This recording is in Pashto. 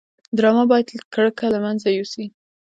ډرامه باید کرکه له منځه یوسي